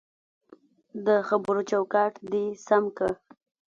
دخبرو چوکاټ دی سم که